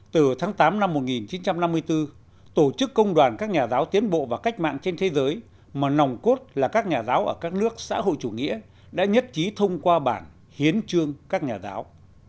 từ tháng tám năm một nghìn chín trăm năm mươi bốn tổ chức công đoàn các nhà giáo tiến bộ và cách mạng trên thế giới mà nòng cốt là các nhà giáo ở các nước xã hội chủ nghĩa đã nhất trí thông qua bản hiến chương các nhà giáo